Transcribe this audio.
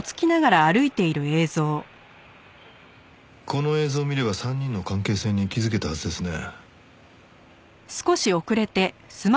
この映像を見れば３人の関係性に気づけたはずですね。